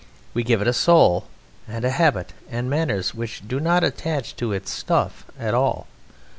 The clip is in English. We give it a soul, and a habit and manners which do not attach to its stuff at all.